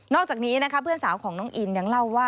อกจากนี้นะคะเพื่อนสาวของน้องอินยังเล่าว่า